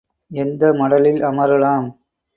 எந்த மடலில் அமரலாம்?